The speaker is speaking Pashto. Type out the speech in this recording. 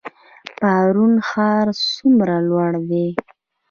پارون ښار څومره لوړ دی؟